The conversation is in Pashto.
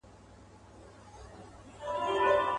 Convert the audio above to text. تر کوډ ګرو، مداریانو، تعویذونو.